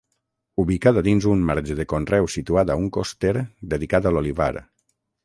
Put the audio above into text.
Ubicada dins un marge de conreu situat a un coster dedicat a l'olivar.